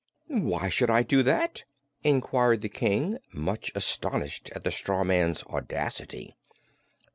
"Why should I do that?" inquired the King, much astonished at the straw man's audacity.